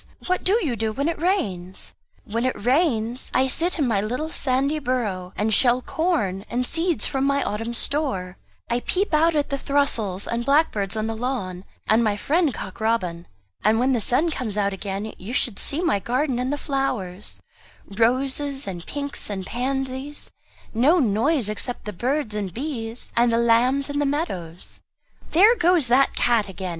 What do you do when it rains?" "When it rains, I sit in my little sandy burrow and shell corn and seeds from my Autumn store. I peep out at the throstles and blackbirds on the lawn, and my friend Cock Robin. And when the sun comes out again, you should see my garden and the flowers roses and pinks and pansies no noise except the birds and bees, and the lambs in the meadows." "There goes that cat again!"